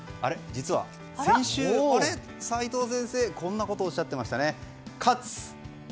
実は先週齋藤先生こんなことをおっしゃっていましたね。